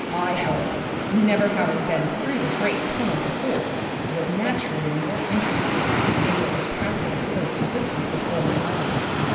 I, however, never having been through the great tunnel before, was naturally more interested in what was passing so swiftly before my eyes.